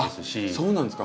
そうなんですか。